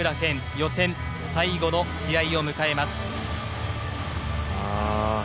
予選最後の試合を迎えます。